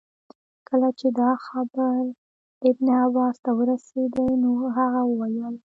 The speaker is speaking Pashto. کله چي دا خبر ابن عباس ته ورسېدی نو هغه وویل.